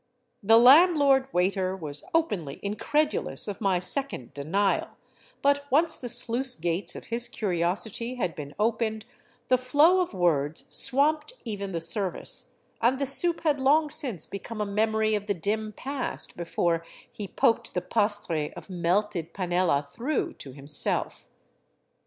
The landlord waiter was openly incredulous of my second denial, but once the sluice gates of his curiosity had been opened, the flow of words swamped even the service, and the soup had long since become a memory of the dim past before he poked the pastre of melted panela through to himself.